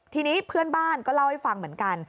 ทีนี้เพื่อนบ้านก็เล่าให้ฟังเหมือนกัน